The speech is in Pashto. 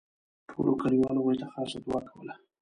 ټولو کلیوالو هغوی ته خاصه دوعا کوله.